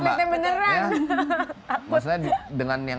gak tau akikatnya bener fxlnya